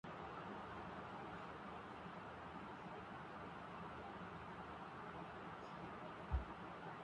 رسول اکرم صلی الله عليه وسلم ورته وويل.